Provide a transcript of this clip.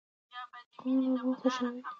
کومه لوبه خوښوئ؟